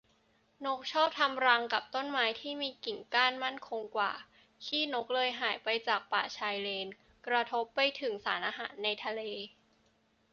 นกชอบทำรังกับต้นไม้ที่มีกิ่งก้านมั่นคงกว่า ขี้นกเลยหายไปจากป่าชายเลน กระทบไปถึงสารอาหารในทะเล